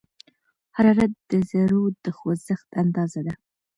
حرارت د ذرّو د خوځښت اندازه ده.